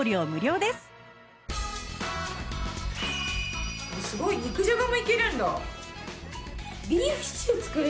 すごい！肉じゃがもいけるんだ。